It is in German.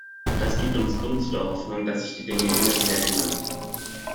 Das gibt uns Grund zu der Hoffnung, dass sich die Dinge immer wieder ändern.